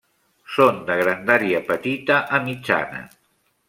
Són de grandària petita a mitjana.